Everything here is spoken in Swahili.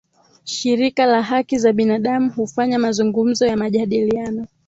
Shirika la Haki za Kibinadamu hufanya mazungumzo ya majadiliano